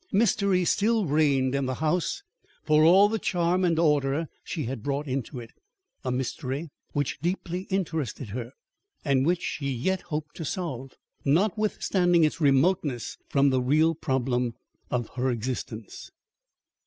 Mystery still reigned in the house for all the charm and order she had brought into it; a mystery which deeply interested her, and which she yet hoped to solve, notwithstanding its remoteness from the real problem of her existence.